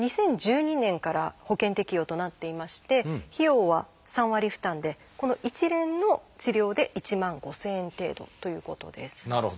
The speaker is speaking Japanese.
２０１２年から保険適用となっていまして費用は３割負担でこの一連の治療で１万５，０００円程度ということです。